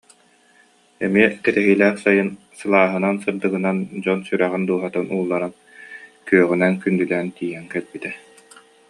Эмиэ кэтэһиилээх сайын сылааһынан, сырдыгынан дьон сүрэҕин, дууһатын уулларан, күөҕүнэн күндүлээн тиийэн кэлбитэ